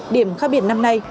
điểm khác biệt năm nay